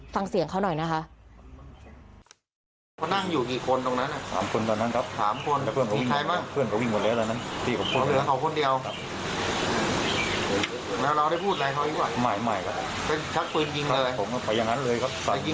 ฟังเสียงเขาหน่อยนะคะ